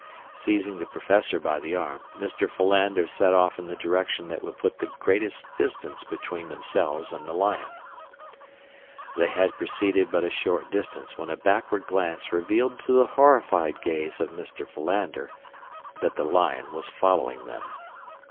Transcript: Seizing the professor by the arm, Mr. Philander set off in the direction that would put the greatest distance between themselves and the lion. They had proceeded but a short distance when a backward glance revealed to the horrified gaze of Mr. Philander that the lion was following them.